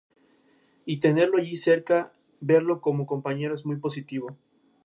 Y tenerlo allí cerca, verlo como compañero es muy positivo.